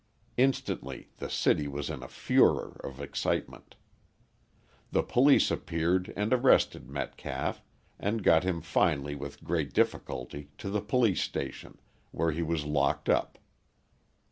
Instantly the city was in a furor of excitement. The police appeared and arrested Metcalf, and got him finally with great difficulty to the police station, where he was locked up.